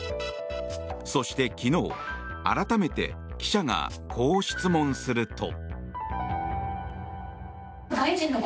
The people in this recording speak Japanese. そして、昨日改めて記者がこう質問すると。